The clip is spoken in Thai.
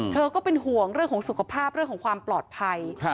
ก็เป็นห่วงเรื่องของสุขภาพเรื่องของความปลอดภัย